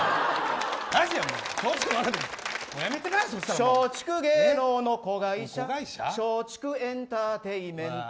松竹芸能の子会社松竹エンタテインメント。